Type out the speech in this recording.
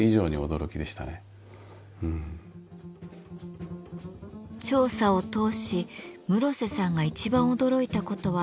調査を通し室瀬さんが一番驚いたことは金粉の形。